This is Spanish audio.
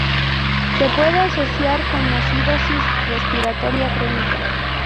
Se puede asociar con acidosis respiratoria crónica.